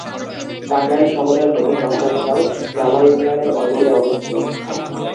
টাঙ্গাইল শহরের নতুন bus terminal গালা ইউনিয়নের অদূরে অবস্থিত।